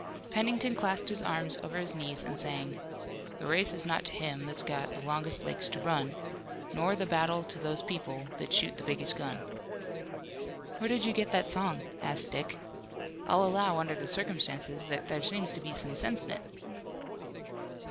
Pennington clasped his arms over his knees and sang: "The race is not to him that's got The longest legs to run, Nor the battle to those people That shoot the biggest gun." "Where did you get that song?" asked Dick. "I'll allow, under the circumstances, that there seems to be some sense in it."